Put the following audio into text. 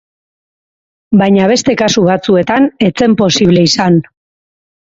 Baina beste kasu batzuetan ez zen posible izan.